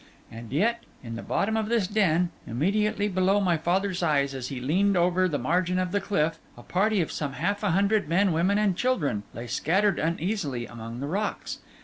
And yet, in the bottom of this den, immediately below my father's eyes as he leaned over the margin of the cliff, a party of some half a hundred men, women, and children lay scattered uneasily among the rocks.